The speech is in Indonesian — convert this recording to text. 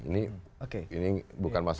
ini bukan masalah